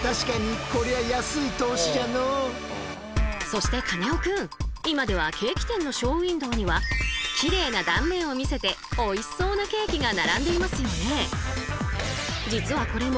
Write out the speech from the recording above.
そしてカネオくん今ではケーキ店のショーウインドーにはきれいな断面を見せておいしそうなケーキが並んでいますよね。